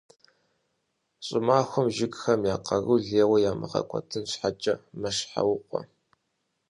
Щӏымахуэм жыгхэм я къарур лейуэ ямыгъэкӏуэдын щхьэкӏэ «мэщхьэукъуэ».